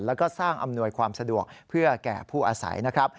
แล้วก็สร้างอำนวยความสะดวกเพื่อแก่ผู้อาศัยนะครับ